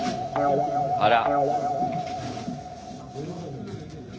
あら。